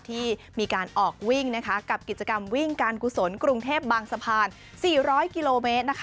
ที่มีการออกวิ่งกับกิจกรรมวิ่งการกุศลกรุงเทพบางสะพาน๔๐๐กิโลเมตร